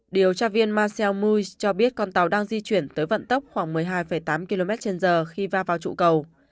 điều tra viên massel muis cho biết con tàu đang di chuyển tới vận tốc khoảng một mươi hai tám km trên giờ khi va vào trụ cầu